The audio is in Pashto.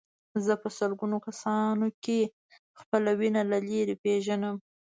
زه په سلګونه کسانو کې خپله وینه له لرې پېژنم.